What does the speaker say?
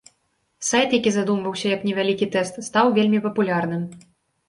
Сайт, які задумваўся як невялікі тэст, стаў вельмі папулярным.